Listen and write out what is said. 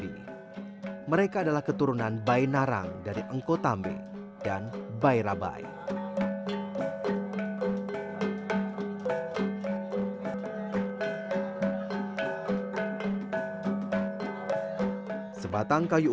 ritual pasiap ini dilakukan guna menghormati tamu dan memastikan tidak ada satupun tamu yang merasa lapar di betang sawe